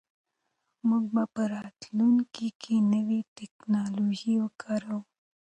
موږ به په راتلونکي کې نوې ټیکنالوژي وکاروو.